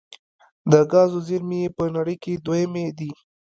د ګازو زیرمې یې په نړۍ کې دویمې دي.